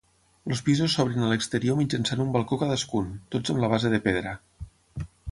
Els pisos s'obren a l'exterior mitjançant un balcó cadascun, tots amb la base de pedra.